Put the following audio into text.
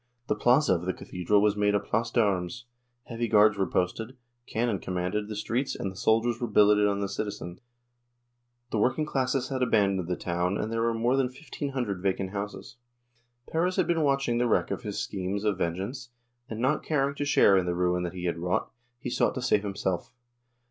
The plaza of the cathedral was made a place d'armes, heavy guards were posted, cannon commanded the streets and the soldiers were billeted on the citizens. The working classes had abandoned the town and there were more than fifteen hundred vacant houses, Perez had been watching the wreck of his schemes of vengeance, and, not caring to share in the ruin that he had wrought, he sought to save himself.